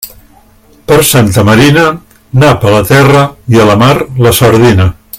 Per Santa Marina, nap a la terra, i a la mar, la sardina.